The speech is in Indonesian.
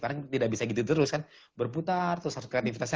karena tidak bisa gitu terus kan berputar terus kreatifitasnya